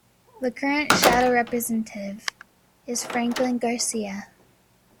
The current shadow representative is Franklin Garcia.